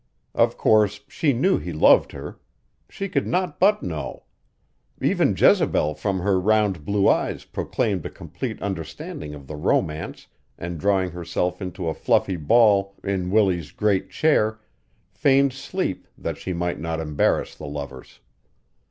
Of course she knew he loved her. She could not but know. Even Jezebel from her round blue eyes proclaimed a complete understanding of the romance and drawing herself into a fluffy ball in Willie's great chair feigned sleep that she might not embarrass the lovers.